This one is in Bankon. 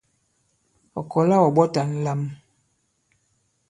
Ɔ̀ kɔ̀la ɔ̀ ɓɔ̀ta ǹlam.